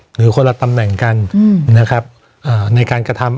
หรือคนละตำแหน่งกันนะครับในการกระทำ